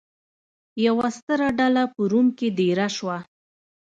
یوه ستره ډله په روم کې دېره شوه.